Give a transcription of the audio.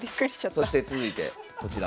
そして続いてこちら。